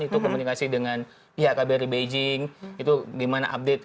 itu komunikasi dengan pihak kbri beijing itu gimana update